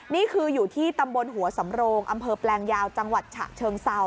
นี่คืออยู่ที่ตำบลหัวสำโรงอำเภอแปลงยาวจังหวัดฉะเชิงเซา